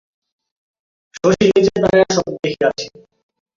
শশী নিজে দাড়াইয়া সব দেখিয়াছে?